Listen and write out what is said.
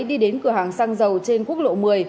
đi đến cửa hàng xăng dầu trên quốc lộ một mươi